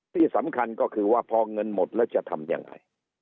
ที่สำคัญก็คือว่าพอเงินหมดแล้วจะทำยังไง